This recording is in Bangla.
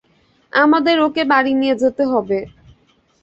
আমাদের ওকে বাড়ি নিয়ে যেতে হবে।